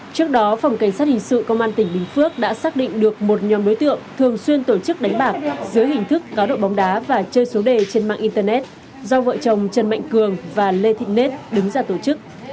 trước đó phòng cảnh sát hình sự công an tỉnh bình phước đã xác định được một nhóm đối tượng thường xuyên tổ chức đánh bạc dưới hình thức cá độ bóng đá và chơi số đề trên mạng internet do vợ chồng trần mạnh cường và lê thị net đứng ra tổ chức